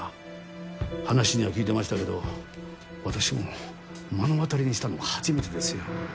話には聞いてましたけど私も目の当たりにしたのは初めてですよ。